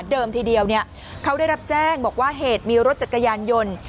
ทีเดียวเขาได้รับแจ้งบอกว่าเหตุมีรถจักรยานยนต์